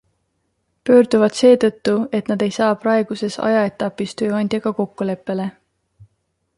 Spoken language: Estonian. Pöörduvad seetõttu, et nad ei saa praeguses ajaetapis tööandjaga kokkuleppele.